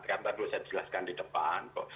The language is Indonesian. karena perlu saya jelaskan di depan